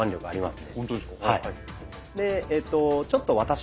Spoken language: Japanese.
はい。